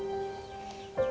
ya sudah ya sudah